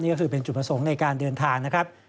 ก็คือเป็นจุดประสงค์ในการเดินทางนะครับ